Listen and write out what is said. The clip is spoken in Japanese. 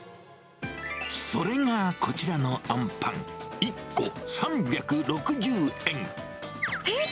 それがこちらのあんぱん１個えっ？